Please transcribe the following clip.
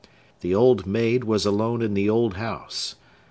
The Old Maid was alone in the old house.